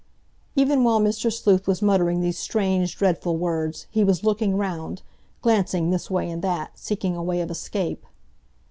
Even while Mr. Sleuth was muttering these strange, dreadful words, he was looking round, glancing this way and that, seeking a way of escape.